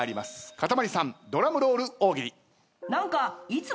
かたまりさんドラムロール大喜利。